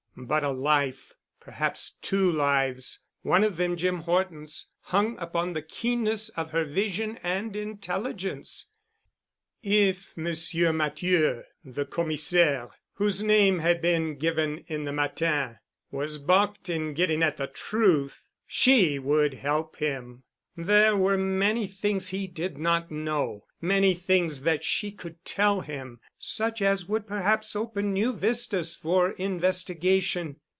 But a life, perhaps two lives, one of them Jim Horton's, hung upon the keenness of her vision and intelligence. If Monsieur Matthieu, the Commissaire, whose name had been given in the Matin, was balked in getting at the truth, she would help him. There were many things he did not know, many things that she could tell him, such as would perhaps open new vistas for investigation.